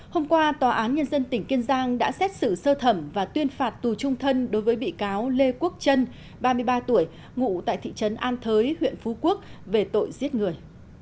hôm qua tòa án nhân dân tỉnh kiên giang đã xét xử sơ thẩm và tuyên phạt tù trung thân đối với bị cáo lê quốc trân ba mươi ba tuổi ngụ tại thị trấn an thới huyện phú quốc về tội giết người